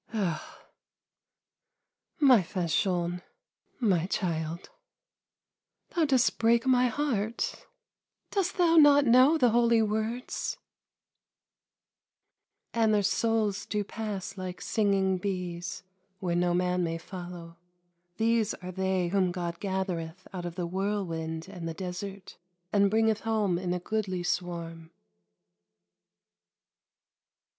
" Oh, my Fanchon, my child, thou dost break my heart ! Dost thou not know the holy words ?— '"And their souls do pass like singing bees, where no man may follow. These are they whom God gathereth out of the whirlwind and the desert, and bringeth home in a goodly swarm.